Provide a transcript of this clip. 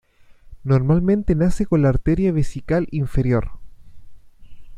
Normalmente nace con la arteria vesical inferior.